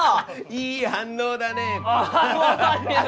いい反応だね。